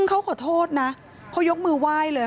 เขาขอโทษนะเขายกมือไหว้เลย